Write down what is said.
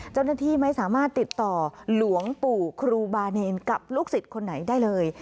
เจ้าหน้าที่ไม่สามารถติดต่อหลวงปู่ครูบาเนนกับลูกศิษย์คนไหนได้เลย